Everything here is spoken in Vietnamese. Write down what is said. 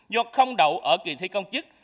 do không đậu ở kỳ thi công chức